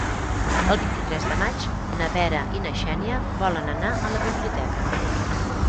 El vint-i-tres de maig na Vera i na Xènia volen anar a la biblioteca.